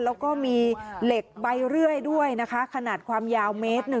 แล้วก็มีเหล็กใบเลื่อยด้วยขนาดความยาว๑เมตร